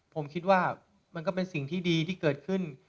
ผมคิดว่ามันก็เป็นสิ่งที่ดีที่เกิดขึ้น